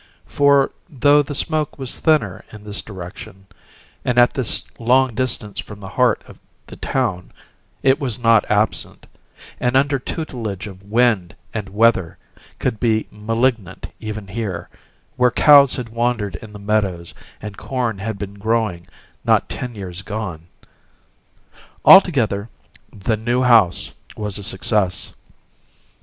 For, though the smoke was thinner in this direction, and at this long distance from the heart of the town, it was not absent, and under tutelage of wind and weather could be malignant even here, where cows had wandered in the meadows and corn had been growing not ten years gone. Altogether, the New House was a success.